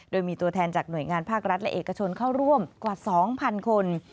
โดยมีตัวแทนจากหน่วยงานภาครัฐและเอกชนเข้าร่วมกว่า๒๐๐คน